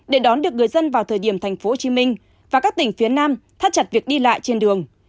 để đón được người dân vào thời điểm tp hcm và các tỉnh phía nam thắt chặt việc đi lại trên đường